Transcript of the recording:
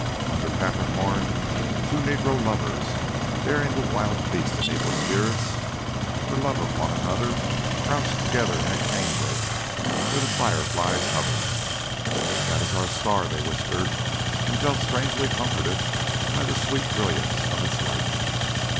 Under Capricorn, two negro lovers, daring the wild beasts and evil spirits, for love of one another, crouched together in a cane brake where the fire flies hovered. "That is our star," they whispered, and felt strangely comforted by the sweet brilliance of its light.